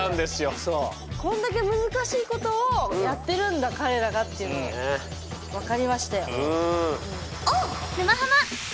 こんだけ難しいことをやってるんだ彼らがっていうのを分かりましたよ。